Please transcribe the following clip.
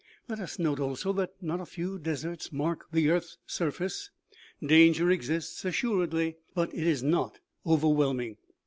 Let us note also that not a few deserts mark the earth's surface. Danger exists, assuredly, but it is not overwhelming.